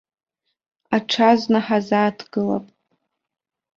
Аҽазны ҳазааҭгылап.